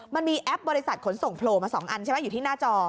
มันมีแอปบริษัทขนส่งโผล่มา๒อันใช่ไหมอยู่ที่หน้าจอ